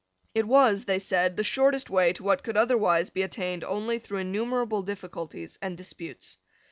It was, they said, the shortest way to what could otherwise be attained only through innumerable difficulties and disputes.